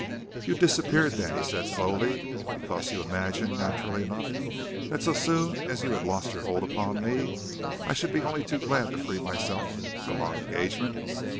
"You disappeared, then," he said slowly, "because you imagined, naturally enough, that so soon as you had lost your hold upon me, I should be only too glad to free myself from our engagement?"